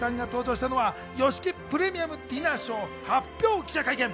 先日、ＹＯＳＨＩＫＩさんが登場したのはＹＯＳＨＩＫＩプレミアムディナーショー、発表記者会見。